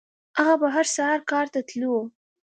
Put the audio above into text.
هغه به هر سهار کار ته تلو.